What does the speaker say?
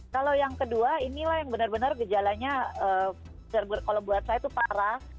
kalau yang kedua inilah yang benar benar gejalanya kalau buat saya itu parah